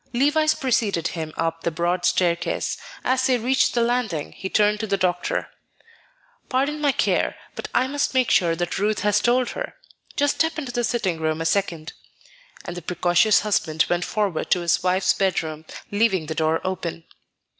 Levice preceded him up the broad staircase. As they reached the landing, he turned to the doctor. "Pardon my care, but I must make sure that Ruth has told her. Just step into the sitting room a second," and the precautious husband went forward to his wife's bedroom, leaving the door open.